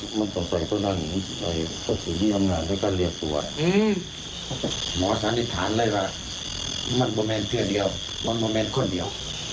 หมอสันนิษฐานเลยว่ามันประมาณเพื่อเดียวมันประมาณคนเดียว